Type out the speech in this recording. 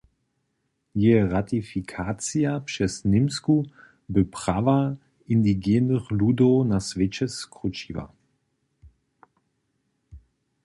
Jeje ratifikacija přez Němsku by prawa indigenych ludow na swěće skrućiła.